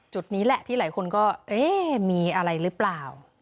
จุดนี้แหละที่หลายคนก็เอ๊ะมีอะไรหรือเปล่า